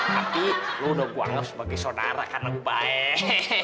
tapi lo udah gue anggap sebagai saudara karena gue baik